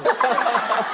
ハハハハ！